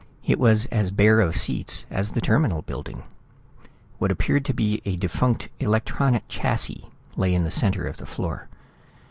It was as bare of seats as the Terminal building. What appeared to be a defunct electronic chassis lay in the center of the floor.